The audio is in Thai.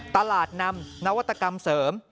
นำนวัตกรรมเสริม